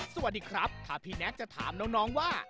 สวัสดีครับถ้าพี่แน็กจะถามน้องว่า